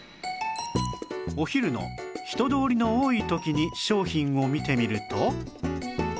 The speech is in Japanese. お昼の人通りの多い時に商品を見てみると